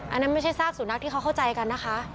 อันนั้นไม่ใช่ซากสุนัขที่เขาเข้าใจกันนะคะ